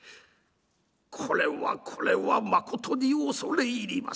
「これはこれはまことに恐れ入りました。